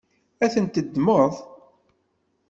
Ad ten-teddmeḍ?